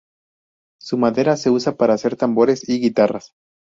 Su madera se usa para hacer tambores y guitarras.